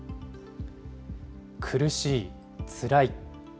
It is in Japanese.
くるしい、つらい。